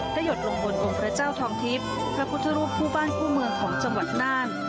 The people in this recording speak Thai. หยดลงบนองค์พระเจ้าทองทิพย์พระพุทธรูปคู่บ้านคู่เมืองของจังหวัดน่าน